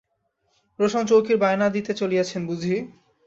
রোশনচৌকির বায়না দিতে চলিয়াছেন বুঝি?